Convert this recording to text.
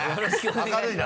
明るいな。